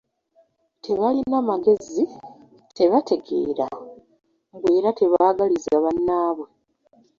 Tebalina magezi, tebategeera, mbu era tebaagaliza bannaabwe.